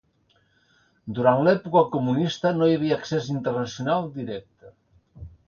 Durant l'època comunista, no hi havia accés internacional directe.